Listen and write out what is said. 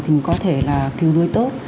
thì mình có thể là cứu đuối tốt